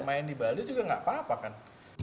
main di bali juga nggak apa apa kan